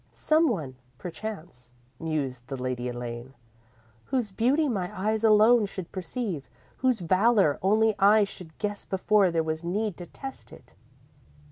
_ _"Some one, perchance," mused the Lady Elaine, "whose beauty my eyes alone should perceive, whose valour only I should guess before there was need to test it.